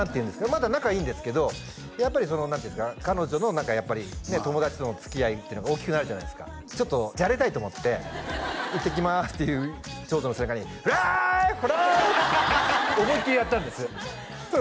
まだ仲いいんですけどやっぱりその何ていうんですか彼女のやっぱり友達とのつきあいっていうのが大きくなるじゃないですかちょっとじゃれたいと思って「いってきます」っていう長女の背中に「フレーッ！フレーッ！」って思いっきりやったんですそれ